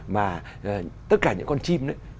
mà tất cả những con chim